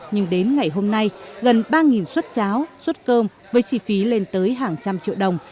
nhưng đến ngày hôm nay gần ba xuất cháo suất cơm với chi phí lên tới hàng trăm triệu đồng